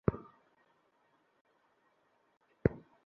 আগে কইলে সাইজ্জা থাকতাম, আলতা ছোনো মাইক্কা লইতাম।